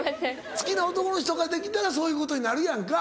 好きな男の人ができたらそういうことになるやんか。